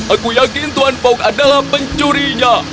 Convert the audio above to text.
aku yakin tuan fok adalah pencurinya